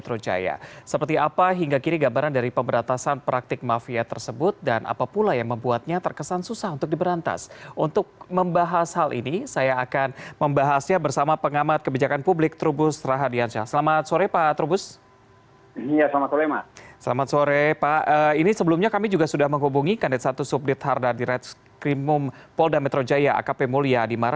oke pak ini sebelumnya kami juga sudah menghubungi kandid satu subdit harda di red scream room pol dametro jaya akp mulia adimara